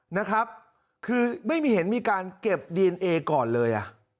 นะครับคือไม่มีเห็นมีการเก็บดีเอนเอก่อนเลย